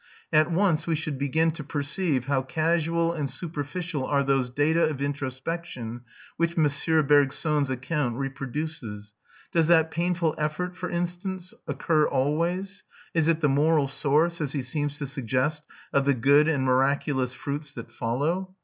At once we should begin to perceive how casual and superficial are those data of introspection which M. Bergson's account reproduces. Does that painful effort, for instance, occur always? Is it the moral source, as he seems to suggest, of the good and miraculous fruits that follow?